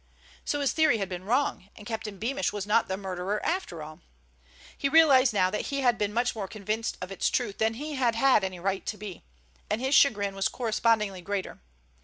So his theory had been wrong, and Captain Beamish was not the murderer after all! He realized now that he had been much more convinced of its truth than he had had any right to be, and his chagrin was correspondingly greater.